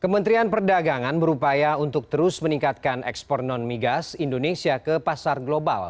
kementerian perdagangan berupaya untuk terus meningkatkan ekspor non migas indonesia ke pasar global